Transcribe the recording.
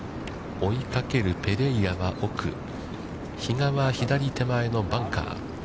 追いかけるペレイラは奥、比嘉は、左手前のバンカー。